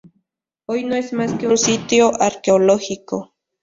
Hoy no es más que un sitio arqueológico.